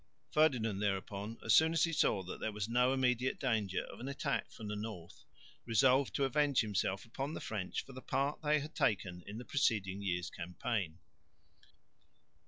Ferdinand thereupon, as soon as he saw that there was no immediate danger of an attack from the north, resolved to avenge himself upon the French for the part they had taken in the preceding year's campaign.